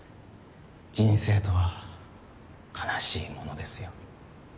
人生とは悲しいものですよ。